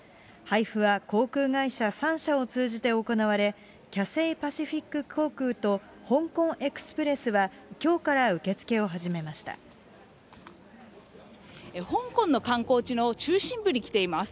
配布は航空会社３社を通じて行われ、キャセイパシフィック航空と香港エクスプレスはきょうから受け付香港の観光地の中心部に来ています。